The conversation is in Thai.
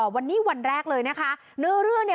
วันนี้วันแรกเลยนะคะเนื้อเรื่องเนี่ย